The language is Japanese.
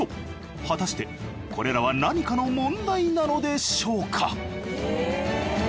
果たしてこれらは何かの問題なのでしょうか？